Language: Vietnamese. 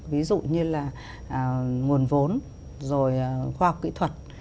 ví dụ như là nguồn vốn rồi khoa học kỹ thuật